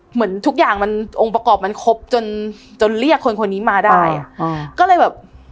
เหมือนทุกอย่างมันองค์ประกอบมันครบจนจนเรียกคนคนนี้มาได้อ่ะอ่าก็เลยแบบ